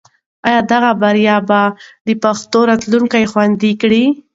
آیا دغه بریا به د پښتنو راتلونکی خوندي کړي؟